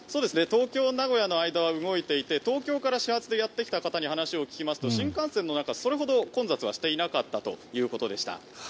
東京名古屋の間は動いていて東京から始発でやってきた方に話を聞きますと新幹線の中それほど混雑はしていなかったということでした。